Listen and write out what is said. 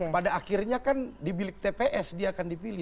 pada akhirnya kan di bilik tps dia akan dipilih